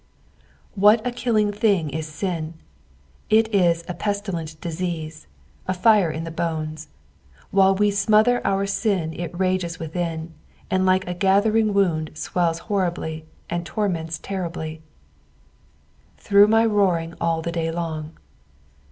What a killing thin({ is sin 1 It is a pestilent disease ! K flra in the bones 1 While we smother our sin it ri^s within, and like & gathering wound swells horribly and torments terribly, " Through my roaring aU the day long."